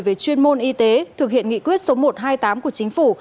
về chuyên môn y tế thực hiện nghị quyết số một trăm hai mươi tám của chính phủ